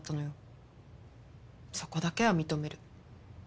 そこだけは認める。